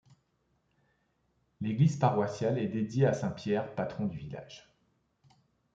L'église paroissiale est dédiée à saint Pierre, patron du village.